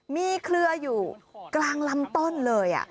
มีเครืออยู่กลางลำต้นเลย